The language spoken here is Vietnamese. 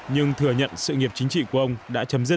nhưng thừa nhận sự nghiệp chính trị của ông đã chấm dứt